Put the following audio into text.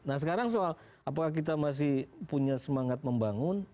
nah sekarang soal apakah kita masih punya semangat membangun